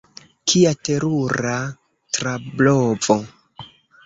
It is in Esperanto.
Kia terura trablovo!